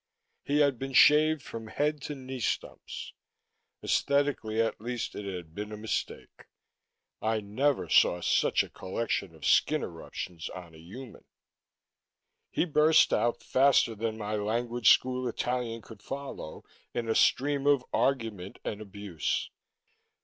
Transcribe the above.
He had been shaved from head to knee stumps. Esthetically, at least, it had been a mistake. I never saw such a collection of skin eruptions on a human. He burst out, faster than my language school Italian could follow, in a stream of argument and abuse.